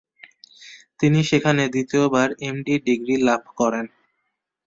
তিনি সেখানে দ্বিতীয়বার এম.ডি. ডিগ্রি লাভ করেন।